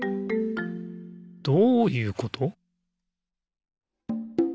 どういうこと？